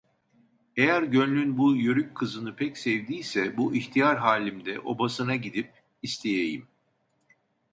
Eğer gönlün bu yörük kızını pek sevdiyse bu ihtiyar halimde obasına gidip isteyeyim…